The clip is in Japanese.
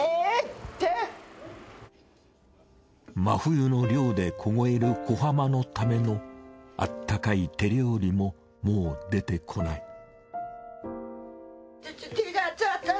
真冬の漁で凍える小浜のためのあったかい手料理ももう出てこない。